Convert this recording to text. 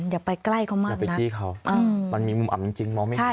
อย่าไปใกล้เขามากนะอย่าไปจี้เขาอืมมันมีมุมอับจริงจริงมองไม่ได้